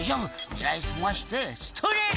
「狙い澄ましてストレート！」